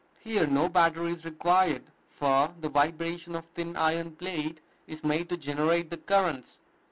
Here no battery is required; for the vibration of a thin iron plate is made to generate the currents.